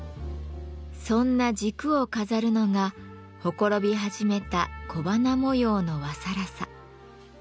そんな軸を飾るのがほころび始めた小花模様の和更紗。